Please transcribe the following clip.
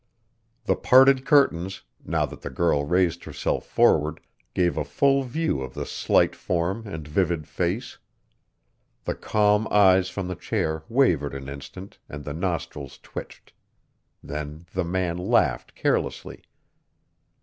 The parted curtains, now that the girl raised herself forward, gave a full view of the slight form and vivid face. The calm eyes from the chair wavered an instant and the nostrils twitched; then the man laughed carelessly.